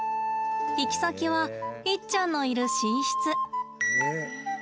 行き先は、イッちゃんのいる寝室。